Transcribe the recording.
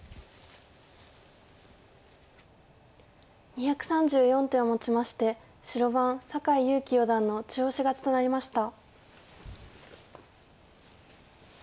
２３４手をもちまして白番酒井佑規四段の中押し勝ちとなりました。